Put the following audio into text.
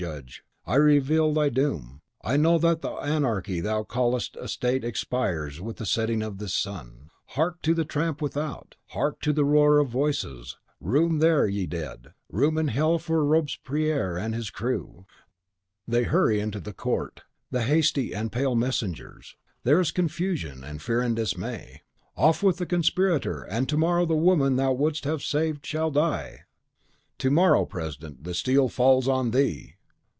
Judge, I reveal thy doom! I know that the Anarchy thou callest a State expires with the setting of this sun. Hark, to the tramp without; hark to the roar of voices! Room there, ye dead! room in hell for Robespierre and his crew!" They hurry into the court, the hasty and pale messengers; there is confusion and fear and dismay! "Off with the conspirator, and to morrow the woman thou wouldst have saved shall die!" "To morrow, president, the steel falls on THEE!"